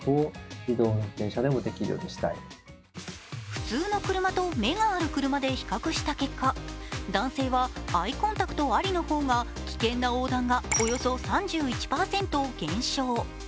普通の車と、目がある車で比較した結果、男性はアイコンタクトありの方が危険な横断がおよそ３１％減少。